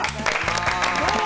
どうも！